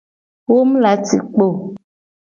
Wo mu la ci kpo o.